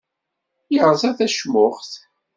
Yerẓa tacmuxt.